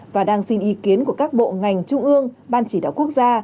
và đang xin ý kiến của các bộ ngành trung ương ban chỉ đạo quốc gia